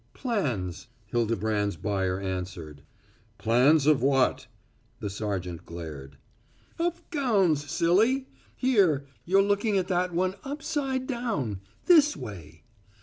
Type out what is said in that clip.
"Plans," Hildebrand's buyer answered. "Plans of what?" The sergeant glared. "Of gowns, silly! Here you're looking at that one upside down! This way!